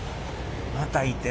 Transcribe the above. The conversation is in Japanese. またいてる。